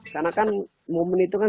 karena kan momen itu kan